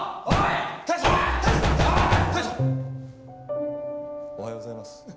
おはようございます。